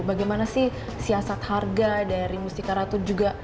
bagaimana sih siasat harga dari mustika ratu juga